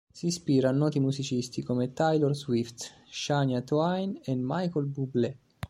Si ispira a noti musicisti come Taylor Swift, Shania Twain e Michael Bublé.